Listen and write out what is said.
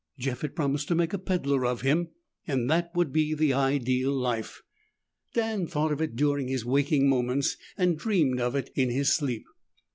Jeff had promised to make a peddler of him and that would be the ideal life. Dan thought of it during his waking moments and dreamed of it in his sleep.